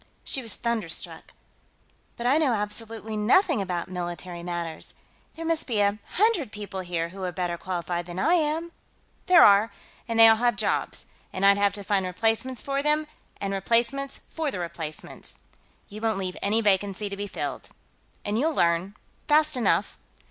She was thunderstruck. "But I know absolutely nothing about military matters. There must be a hundred people here who are better qualified than I am...." "There are, and they all have jobs, and I'd have to find replacements for them, and replacements for the replacements. You won't leave any vacancy to be filled. And you'll learn, fast enough."